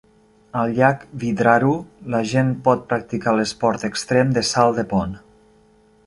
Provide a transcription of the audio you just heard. Al llac Vidraru, la gent pot practicar l'esport extrem de salt de pont.